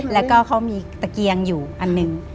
แล้วก็เขามีตะเกียงอยู่อันหนึ่ง